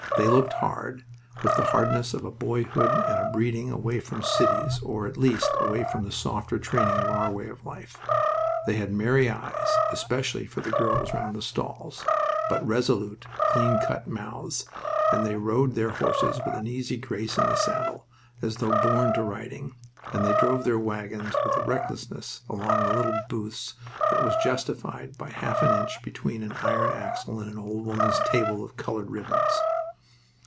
They looked hard, with the hardness of a boyhood and a breeding away from cities or, at least, away from the softer training of our way of life. They had merry eyes (especially for the girls round the stalls), but resolute, clean cut mouths, and they rode their horses with an easy grace in the saddle, as though born to riding, and drove their wagons with a recklessness among the little booths that was justified by half an inch between an iron axle and an old woman's table of colored ribbons.